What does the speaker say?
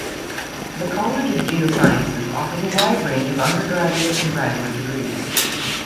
The College of Geosciences offers a wide range of undergraduate and graduate degrees.